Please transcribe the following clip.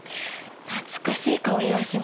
懐かしい香りがします。